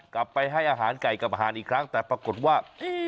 ไปให้อาหารไก่กับอาหารอีกครั้งแต่ปรากฏว่า